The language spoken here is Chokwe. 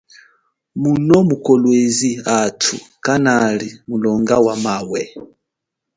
Muno mu Kolwezi athu kanali mulonga wa mawe.